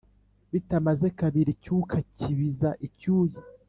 bitamaze kabiri icyuka kibiza icyuya